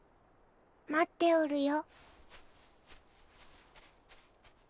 まっておるよ。